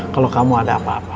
kalau kamu ada apa apa